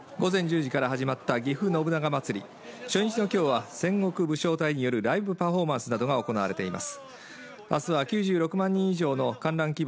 午前１０時から始まったぎふ信長まつり初日のきょうは戦国武将隊によるライブパフォーマンスなどが行われています